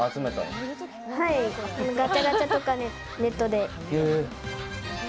ガチャガチャとかネットで。